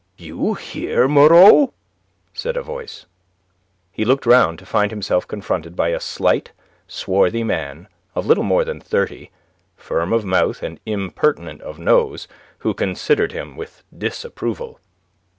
"You here, Moreau!" said a voice. He looked round to find himself confronted by a slight, swarthy man of little more than thirty, firm of mouth and impertinent of nose, who considered him with disapproval.